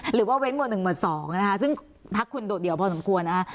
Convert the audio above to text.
หรือว่าเว้นหมวด๑หมวด๒นะคะซึ่งพักคุณโดดเดี่ยวพอสมควรอะ